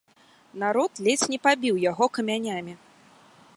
Народ ледзь не пабіў яго камянямі.